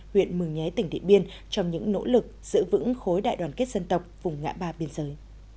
huyện mường nhé tỉnh điện biên trong những nỗ lực giữ vững khối đại đoàn kết dân tộc vùng ngã ba biên giới